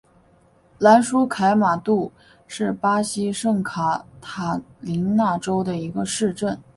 兰舒凯马杜是巴西圣卡塔琳娜州的一个市镇。